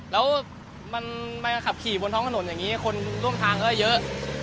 แล้วมันมาขับขี่บนท้องถนนอย่างนี้คนร่วมทางก็เยอะ